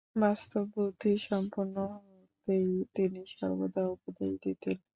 বাস্তববুদ্ধিসম্পন্ন হতেই তিনি সর্বদা উপদেশ দিতেন।